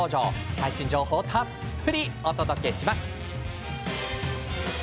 最新情報をたっぷり、お届けします。